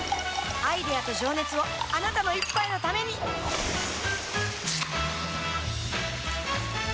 アイデアと情熱をあなたの一杯のためにプシュッ！